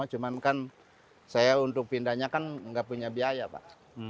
cuman kan saya untuk pindahnya kan nggak punya biaya pak